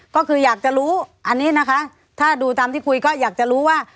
ก็คืออยากจะรู้อันนี้นะคะถ้าดูตามที่คุยก็อยากจะรู้ว่า